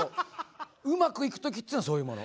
うまくいく時っていうのはそういうもの。